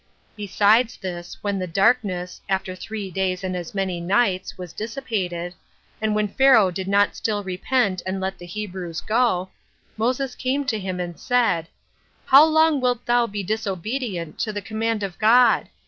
Besides this, when the darkness, after three days and as many nights, was dissipated, and when Pharaoh did not still repent and let the Hebrews go, Moses came to him and said, "How long wilt thou be disobedient to the command of God?